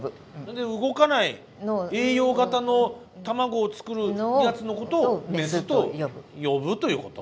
んで動かない栄養型の卵を作るやつのことをメスと呼ぶということ。